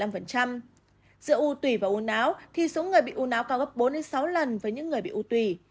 giữa u tùy và u náo thì số người bị u náo cao gấp bốn sáu lần với những người bị u tùy